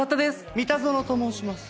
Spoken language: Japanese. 三田園と申します。